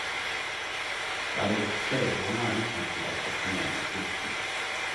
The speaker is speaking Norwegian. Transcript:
Det hadde gått fleire gonger utan at eg hadde fått med meg slutten.